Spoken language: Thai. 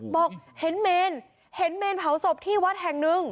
บอกเห็นเมนเห็นเมนเผาศพที่วัดแห่งหนึ่ง